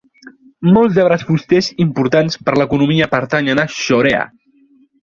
Molts arbres fusters importants per l"economia pertanyen a "Shorea".